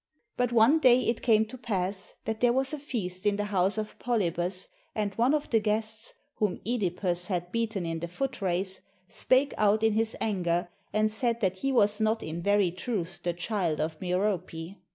But one day it came to pass that there was a feast in the house of Polybus and one of the guests, whom (Edipus had beaten in the foot race, spoke out in his anger and said that he was not in very truth the child of Merope.